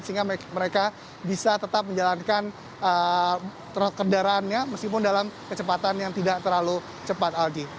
sehingga mereka bisa tetap menjalankan kendaraannya meskipun dalam kecepatan yang tidak terlalu cepat aldi